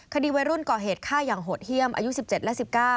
คดีวัยรุ่นก่อเหตุฆ่าอย่างโหดเยี่ยมอายุ๑๗และ๑๙